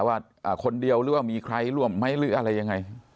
ว่าคนเดียวหรือว่ามีใครร่วมไหมหรืออะไรยังไง